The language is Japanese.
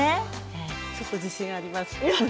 ちょっと自信があります。